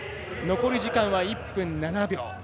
残り時間は１分７秒。